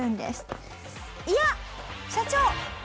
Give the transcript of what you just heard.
いや社長。